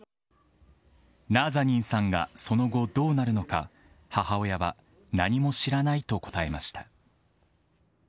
ナーザニンさんがその後、どうなるのか、母親は何も知らないと答えました。